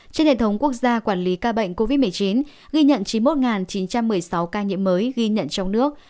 trên hệ thống quốc gia quản lý ca bệnh covid một mươi chín ghi nhận chín mươi một chín trăm một mươi sáu ca nhiễm mới ghi nhận trong nước